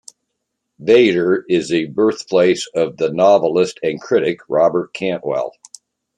Vader is the birthplace of the novelist and critic Robert Cantwell.